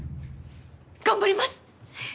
頑張ります！